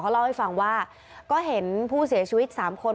เล่าให้ฟังว่าก็เห็นผู้เสียชีวิต๓คน